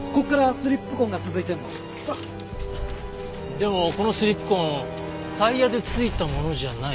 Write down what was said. でもこのスリップ痕タイヤでついたものじゃない。